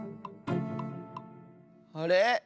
あれ？